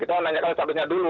kita nanyakan satu sesnya dulu